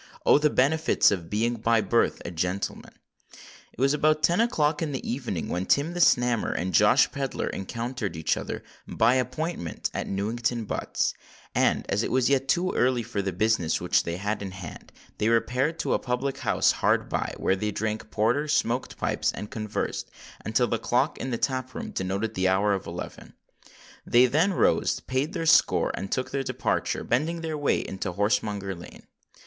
—oh! the benefits of being by birth a gentleman! It was about ten o'clock in the evening, when Tim the Snammer and Josh Pedler encountered each other, by appointment, at Newington Butts; and, as it was yet too early for the business which they had in hand, they repaired to a public house hard by, where they drank porter, smoked pipes, and conversed, until the clock in the tap room denoted the hour of eleven. They then rose, paid their score, and took their departure,—bending their way into Horsemonger Lane.